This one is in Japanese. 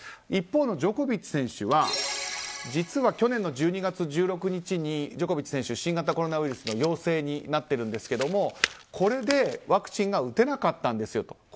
一方のジョコビッチ選手は実は去年の１２月１６日に新型コロナウイルスの陽性になっているんですけどもこれでワクチンが打てなかったんですと。